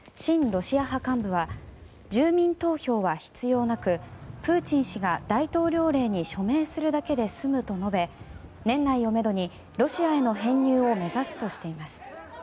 ロシア派幹部は住民投票は必要なくプーチン氏が大統領令に署名するだけで済むと述べ年内をめどにロシアへの編入を目指すとしています。